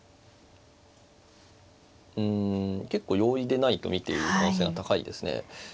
うん結構容易でないと見ている可能性が高いですね。